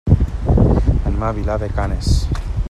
Anem a Vilar de Canes.